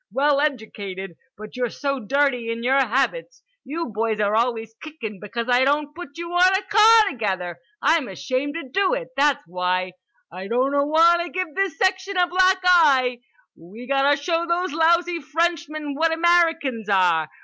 Well edjucated. But you're so dirty in your habits. You boys are always kickin' because I don't put you on a car together. I'm ashamed to do it, that's why. I doughtwanta give this section a black eye. We gotta show these lousy Frenchmen what Americans are.